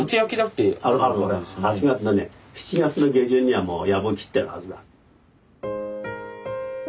８月のね７月の下旬にはもうやぶを切ってるはずだ。